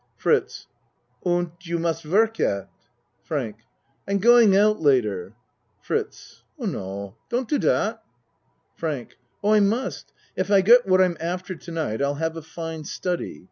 FRITZ Und you must work yet? FRANK I'm going out later. FRITZ Oh, no. Don't do dot! FRANK Oh, I must. If I get what I'm after to night I'll have a fine study.